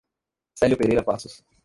Celio Pereira Passos